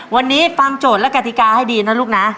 วันนี้ฟังโจทย์และกติกาให้ดีนะลูกนะ